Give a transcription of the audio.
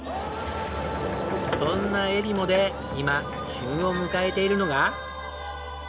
そんなえりもで今旬を迎えているのが。